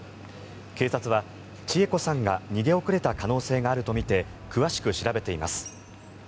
警察は知栄子さんが逃げ遅れた可能性があるとみて詳しく調べています。